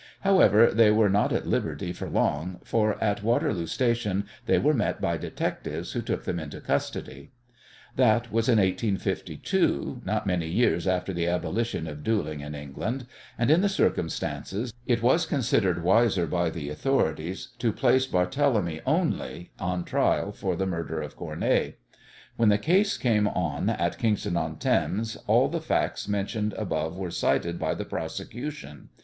However, they were not at liberty for long, for at Waterloo Station they were met by detectives who took them into custody. That was in 1852, not many years after the abolition of duelling in England, and, in the circumstances, it was considered wiser by the authorities to place Barthélemy only on trial for the murder of Cournet. When the case came on at Kingston on Thames all the facts mentioned above were cited by the prosecution.